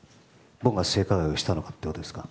僕が性加害をしたのかということですか？